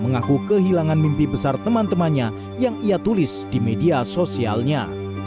mengaku kehilangan mimpi besar teman temannya yang ia tulis di media sosialnya